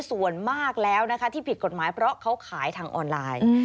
ส่วนมากแล้วนะคะที่ผิดกฎหมายเพราะเขาขายทางออนไลน์